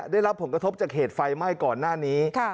ได้รับผลกระทบจากเหตุไฟไหม้ก่อนหน้านี้